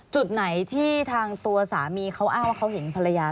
จุดไหนที่ทางตัวสามีเขาอ้างว่าเขาเห็นภรรยา